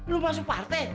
lo masuk partai